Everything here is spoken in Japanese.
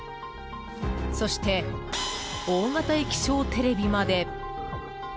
そして大型液晶テレビまで。